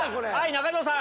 中条さん！